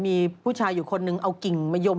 มีผู้ชายอยู่คนนึงเอากิ่งมะยม